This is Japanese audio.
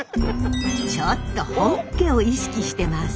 ちょっと本家を意識してます？